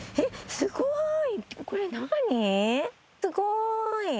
すごい。